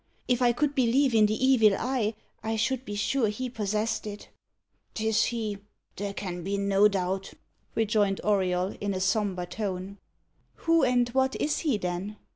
If I could believe in the 'evil eye,' I should be sure he possessed it." "'Tis he, there can be no doubt," rejoined Auriol, in a sombre tone. "Who and what is he, then?"